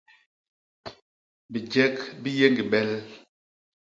Bijek bi yé ñgi bel.